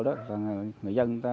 rồi đó người dân